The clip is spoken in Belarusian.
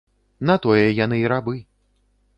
На тое яны і рабы.